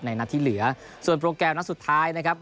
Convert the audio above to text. นัดที่เหลือส่วนโปรแกรมนัดสุดท้ายนะครับ